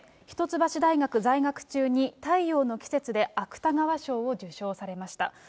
一橋大学在学中に、太陽の季節で芥川賞を受賞されました。